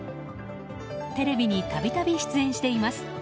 テレビに度々出演しています。